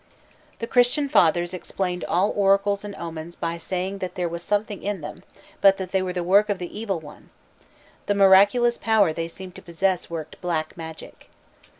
_ The Christian Fathers explained all oracles and omens by saying that there was something in them, but that they were the work of the evil one. The miraculous power they seemed to possess worked "black magic."